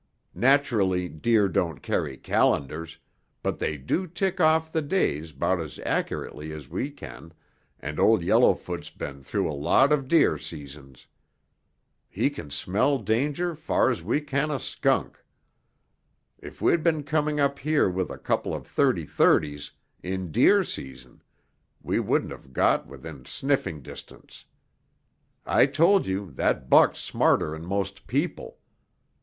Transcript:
Naturally deer don't carry calendars, but they do tick off the days 'bout as accurately as we can and Old Yellowfoot's been through a lot of deer seasons. He can smell danger far's we can a skunk. If we'd been coming up here with a couple of thirty thirtys, in deer season, we wouldn't have got within sniffing distance. I told you that buck's smarter'n most people.